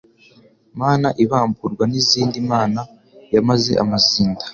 Mana ibamburwa n'izindi Imana yamaze amazinda.